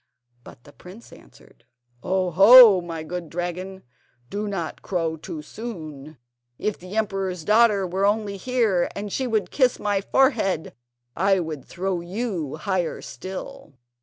But the prince answered: "Oh, ho! my good dragon, do not crow too soon! If the emperor's daughter were only here, and she would kiss my forehead, I would throw you higher still."